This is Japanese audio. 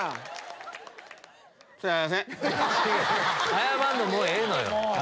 謝るのもうええのよ。